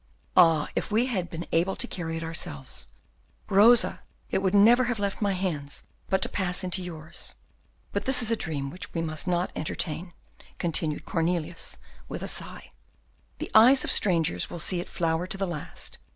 Ah! if we had been able to carry it ourselves, Rosa, it would never have left my hands but to pass into yours; but this is a dream, which we must not entertain," continued Cornelius with a sigh, "the eyes of strangers will see it flower to the last.